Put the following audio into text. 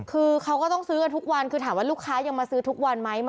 คือเขาก็ต้องซื้อกันทุกวันคือถามว่าลูกค้ายังมาซื้อทุกวันไหม